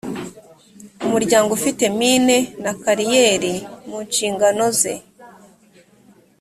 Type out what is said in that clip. umuryango ufite mine na kariyeri mu nshingano ze